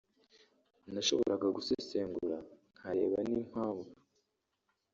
nashoboraga gusesengura nkareba n’impamvu